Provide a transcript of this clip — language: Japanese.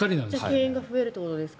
敬遠が増えるということですか？